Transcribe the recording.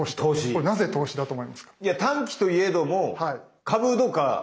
これなぜ投資だと思いますか？